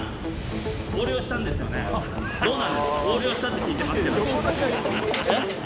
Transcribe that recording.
横領したって聞いてますけど。